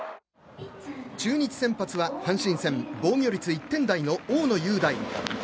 中日先発は阪神戦防御率１点台の大野雄大。